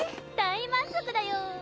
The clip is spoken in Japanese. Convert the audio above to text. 大満足だよ。